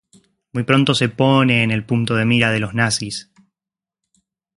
Muy pronto se pone en el punto de mira de los nazis.